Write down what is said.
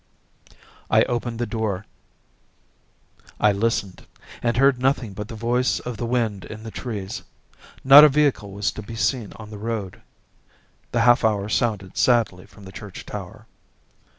I opened the door. I listened, and heard nothing but the voice of the wind in the trees. Not a vehicle was to be seen on the road. The half hour sounded sadly from the church tower.